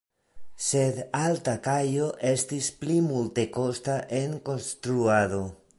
Sed alta kajo estas pli multekosta en konstruado.